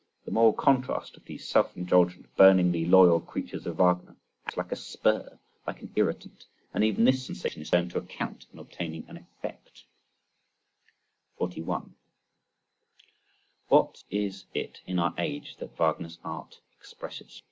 The moral contrast of these self indulgent burningly loyal creatures of Wagner, acts like a spur, like an irritant and even this sensation is turned to account in obtaining an effect. 41. What is it in our age that Wagner's art expresses?